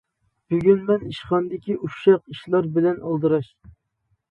بۈگۈن مەن ئىشخانىدىكى ئۇششاق ئىشلار بىلەن ئالدىراش.